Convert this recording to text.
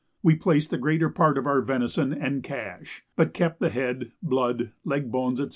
We placed the greater part of our venison "en cache," but kept the head, blood, leg bones, &c.